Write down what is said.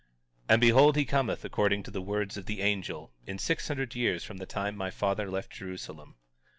19:8 And behold he cometh, according to the words of the angel, in six hundred years from the time my father left Jerusalem.